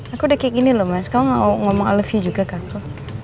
aku udah kayak gini loh mas kamu ngomong i love you juga ke aku